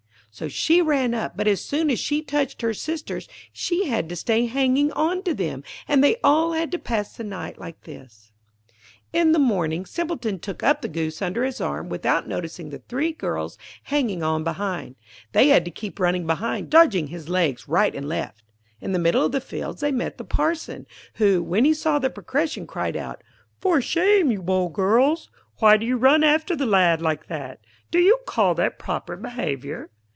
So she ran up, but as soon as she touched her sisters she had to stay hanging on to them, and they all had to pass the night like this. [Illustration: And so they followed up hill and down dale after Simpleton and his Goose.] In the morning, Simpleton took up the Goose under his arm, without noticing the three girls hanging on behind. They had to keep running behind, dodging his legs right and left. In the middle of the fields they met the Parson, who, when he saw the procession, cried out: 'For shame, you bold girls! Why do you run after the lad like that? Do you call that proper behaviour?'